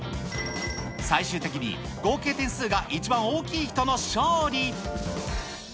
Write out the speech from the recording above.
最終的に合計点数が一番大きい人の勝利。